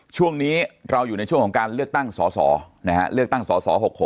ช่วงนี้เราอยู่ในช่วงของการเลือกตั้งสส๖